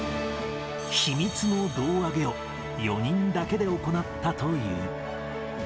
秘密の胴上げを４人だけで行ったという。